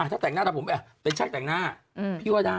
ถ้าแต่งหน้าทำผมเป็นช่างแต่งหน้าพี่ว่าได้